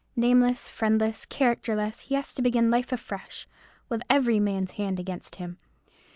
Nameless, friendless, characterless, he has to begin life afresh, with every man's hand against him.